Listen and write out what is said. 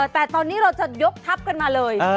แต่ตอนนี้เราจะยกทัพกันมาเลย